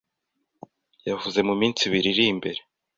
yavuze mu minsi ibiri iri imbere